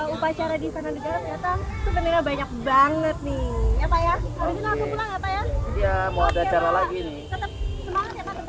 upacara di sana negara ternyata sebenarnya banyak banget nih ya pak ya mau ada cara lagi nih